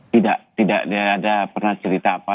tidak tidak ada pernah cerita apa